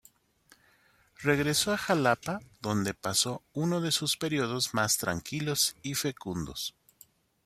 Regresó a Xalapa, donde pasó uno de sus periodos más tranquilos y fecundos.